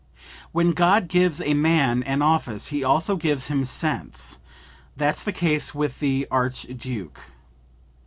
"When God gives a man an office he also gives him sense; that's the case with the Archduke.